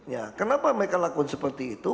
ya kenapa mereka lakukan seperti itu